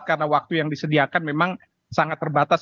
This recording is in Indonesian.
karena waktu yang disediakan memang sangat terbatas